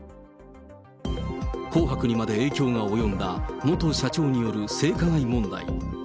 紅白にまで影響が及んだ元社長による性加害問題。